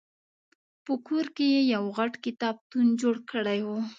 په کور کې یې یو غټ کتابتون جوړ کړی و.